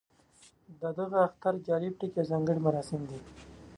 د دغه اختر جالب ټکی ځانګړي مراسم دي.